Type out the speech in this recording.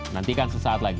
nantikan sesaat lagi